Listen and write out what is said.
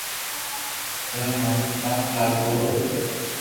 تمو مارو ڪاو لاگو